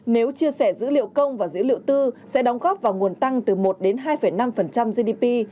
nếu chia sẻ dữ liệu công và dữ liệu tư sẽ đóng góp vào nguồn tăng từ một đến hai năm gdp